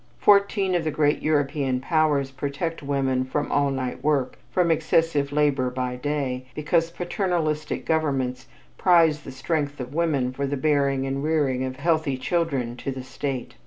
Fourteen of the great European powers protect women from all night work, from excessive labor by day, because paternalistic governments prize the strength of women for the bearing and rearing of healthy children to the state.